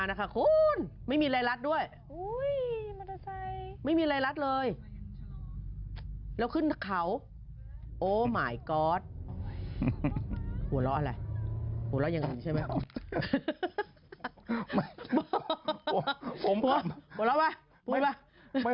แล้วผมไปเจอชื่อแบบอะไรอย่างงี้